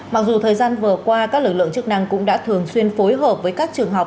mặc dù thời gian vừa qua các lực lượng chức năng cũng đã thường xuyên phối hợp với các trường học